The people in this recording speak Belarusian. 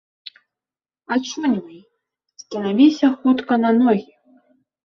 Ачуньвай, станавіся хутка на ногі.